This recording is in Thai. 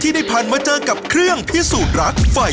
ถ้าอย่างนั้นเชิญพบกับเครื่องพิสูจน์รักครับ